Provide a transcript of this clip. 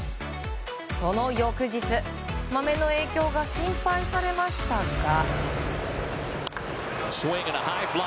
その翌日、マメの影響が心配されましたが。